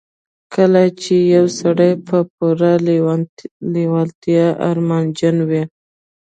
کله چې يو سړی په پوره لېوالتیا ارمانجن وي.